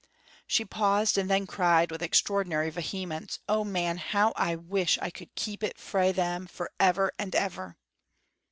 She paused, and then cried, with extraordinary vehemence: "Oh, man, how I wish I could keep it frae them for ever and ever!"